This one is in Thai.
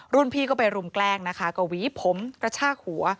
พี่ก็ไปรุมแกล้งนะคะก็หวีผมกระชากหัว